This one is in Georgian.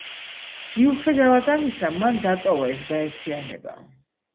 მიუხედავად ამისა, მან დატოვა ეს გაერთიანება.